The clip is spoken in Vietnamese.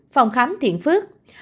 phòng khám thiện phước